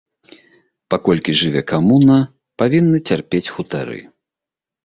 Паколькі жыве камуна, павінны цярпець хутары.